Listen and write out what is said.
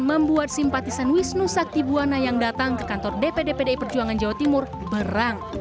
membuat simpatisan wisnu sakti buwana yang datang ke kantor dpd pdi perjuangan jawa timur berang